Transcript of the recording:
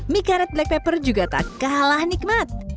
mie karet black pepper juga tak kalah nikmat